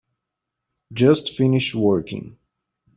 Just finished working.